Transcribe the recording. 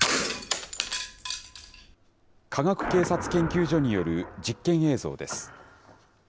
科学警察研究所による実験映像です。